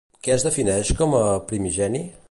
Què es defineix com a Primigeni?